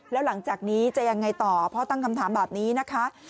แล้วหลังจากนี้จะยังไงต่อพ่อตั้งคำถามแบบนี้นะคะ